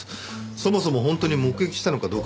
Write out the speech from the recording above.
そもそも本当に目撃したのかどうかも怪しい。